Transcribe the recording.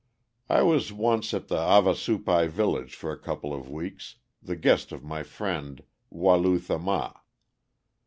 I was once at the Havasupai village for a couple of weeks, the guest of my friend Wa lu tha ma.